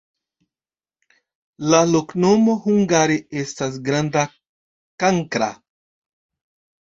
La loknomo hungare estas granda-kankra.